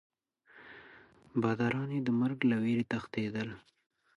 باداران یې د مرګ له ویرې تښتېدل.